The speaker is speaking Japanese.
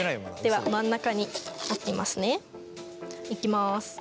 では真ん中に置きますね。いきます。